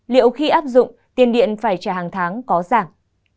liệu khi áp dụng tiền điện phải trả hàng tháng có giảm